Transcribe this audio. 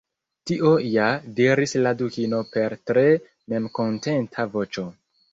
"Tio ja," diris la Dukino per tre memkontenta voĉo."